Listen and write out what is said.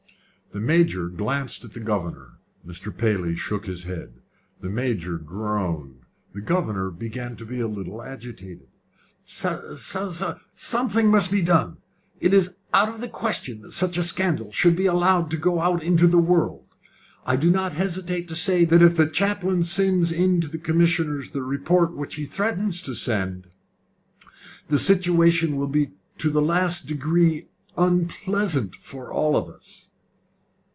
The Major glanced at the governor. Mr. Paley shook his head. The Major groaned. The governor began to be a little agitated. "Something must be done. It is out of the question that such a scandal should be allowed to go out into the world. I do not hesitate to say that if the chaplain sends in to the commissioners the report which he threatens to send, the situation will be to the last degree unpleasant for all of us."